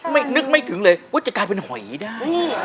นึกไม่ถึงเลยว่าจะกลายเป็นหอยได้